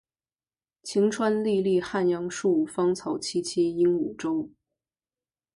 晴川历历汉阳树，芳草萋萋鹦鹉洲。